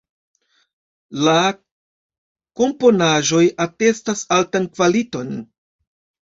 La komponaĵoj atestas altan kvaliton.